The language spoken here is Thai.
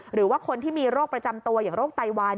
หรือว่าคนที่มีโรคประจำตัวอย่างโรคไตวาย